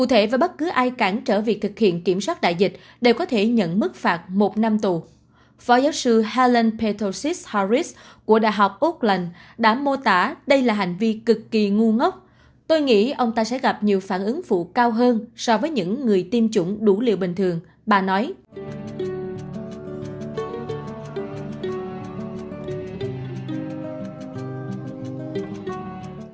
hãy đăng kí cho kênh lalaschool để không bỏ lỡ những video hấp dẫn